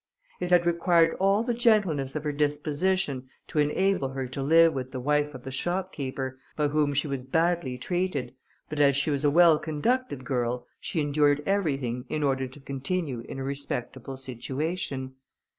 It had required all the gentleness of her disposition to enable her to live with the wife of the shopkeeper, by whom she was badly treated, but as she was a well conducted girl, she endured everything in order to continue in a respectable situation.